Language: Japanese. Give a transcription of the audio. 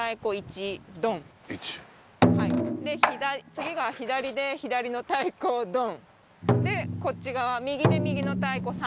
次が左で左の太鼓をドン！でこっち側右で右の太鼓３。